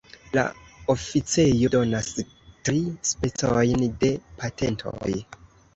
La oficejo donas tri specojn de patentoj.